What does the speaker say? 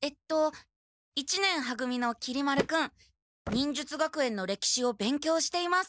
忍術学園のれきしを勉強しています。